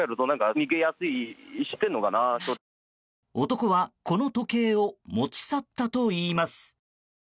男はこの時計を持ち去ったといいます。